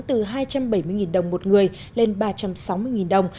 từ hai trăm bảy mươi đồng một người lên ba trăm linh đồng